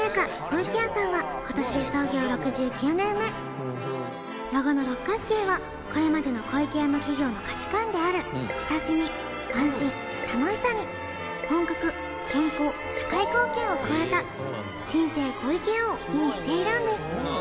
湖池屋さんは今年で創業６９年目ロゴの六角形はこれまでの湖池屋の企業の価値観である親しみ安心楽しさに本格健康社会貢献を加えた新生湖池屋を意味しているんです